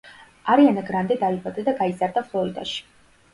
არიანა გრანდე დაიბადა და გაიზარდა ფლორიდაში.